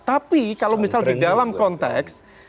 tapi kalau misal di dalam konteks